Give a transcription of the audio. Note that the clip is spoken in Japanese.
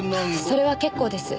それは結構です。